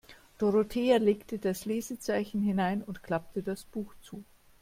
Dorothea legte das Lesezeichen hinein und klappte das Buch zu.